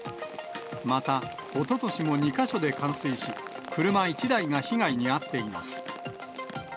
また、おととしも２か所で冠水し、車１台が被害に遭っています。